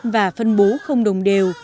và phân bố không đồng đều